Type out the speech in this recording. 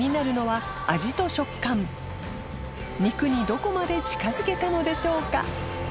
どこまで近づけたのでしょうか？